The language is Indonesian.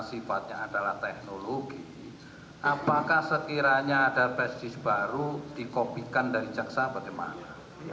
sifatnya adalah teknologi apakah sekiranya ada basis baru dikopikan dari jaksa bagaimana